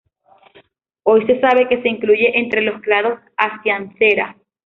Hoy se sabe que se incluye entre los clados "Acianthera".